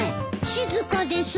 静かです。